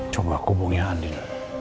coba aku hubungi andin